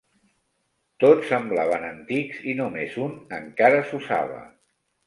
Tots semblaven antics i només un encara s'usava.